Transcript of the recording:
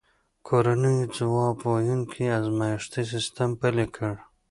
کورنیو ځواب ویونکی ازمایښتي سیستم پلی کړ.